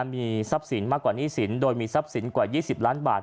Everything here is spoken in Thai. มีทรัพย์สินมากกว่าหนี้สินโดยมีทรัพย์สินกว่า๒๐ล้านบาท